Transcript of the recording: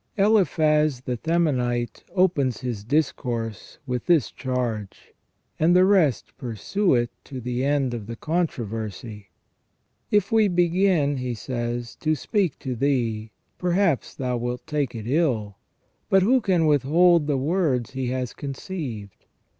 Eliphaz the Themanite opens his discourse with this charge, and the rest pursue it to the end of the controversy. " If we begin," he says, " to speak to thee, perhaps thou wilt take it ill : but who can withhold the words he has conceived.